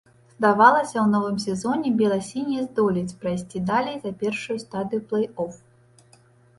Здавалася, у новым сезоне бела-сінія здолеюць прайсці далей за першую стадыю плэй-оф.